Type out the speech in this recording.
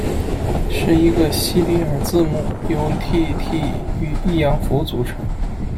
Т̌ т̌ 是一个西里尔字母，由 Т т 与抑扬符组成。